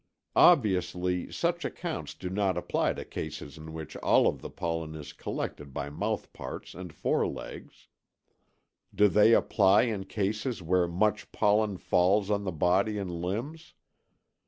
Obviously such accounts do not apply to cases in which all of the pollen is collected by mouthparts and forelegs. Do they apply in cases where much pollen falls on the body and limbs?